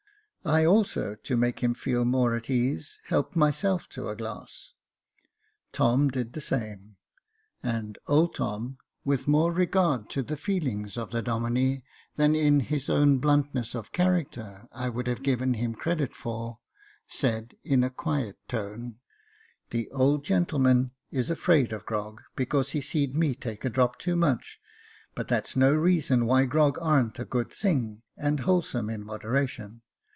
I also, to make him feel more at ease, helped myself to a glass. Tom did the same, and old Tom, with more regard to the feelings of the Domine than in his own bluntness of character I would have given him credit for, said in a quiet tone, The old gentleman is afraid of grog, because he seed me take a drop too much, but that's no reason why grog ar'n't a good thing, and wholesome in moderation.